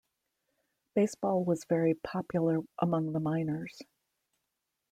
Baseball was very popular among the miners.